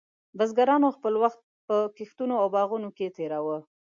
بزګرانو خپل وخت په کښتونو او باغونو کې تېراوه.